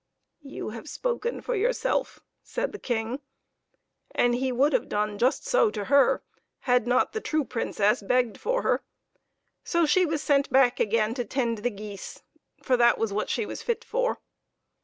" You have spoken for yourself," said the King ; and he would have done just so to her had not the true Princess begged for her so that she was sent back again to tend the geese, for that was what she was fit for.